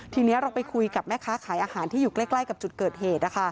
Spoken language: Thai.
ทีนี้เราไปคุยกับแม่ค้าขายอาหารที่อยู่ใกล้กับจุดเกิดเหตุ